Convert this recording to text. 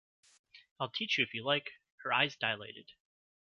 “I’ll teach you, if you like.” Her eyes dilated.